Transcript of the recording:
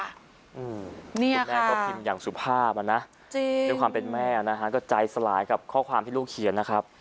คุณแม่ก็พิมพ์อย่างสุภาพอ่ะนะด้วยความเป็นแม่นะฮะก็ใจสลายกับข้อความที่ลูกเขียนนะครับ